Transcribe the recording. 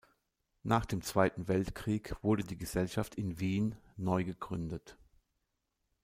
Nach dem Zweiten Weltkrieg wurde die Gesellschaft in Wien neu gegründet.